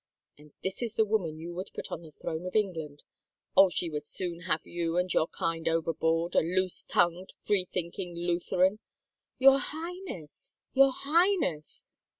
And this is the woman you would put on the throne of England I Oh, she would soon have you and your kind overboard — a loose tongued, free think ing Lutheran —"" Your Highness ! Your Highness